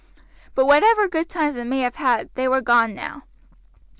But whatever good times it may have had they were gone now.